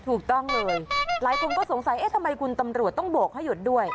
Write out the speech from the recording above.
ถูกต้องเลยหลายคนก็สงสัยเอ๊ะทำไมคุณตำรวจต้องโบกให้หยุดด้วย